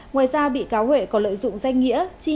ngoài ra bị cáo huệ còn lợi dụng danh nghĩa